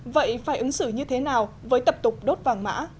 vậy phải ứng xử như thế nào với tập tục đốt vàng mã